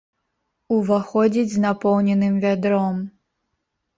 Уваходзіць з напоўненым вядром.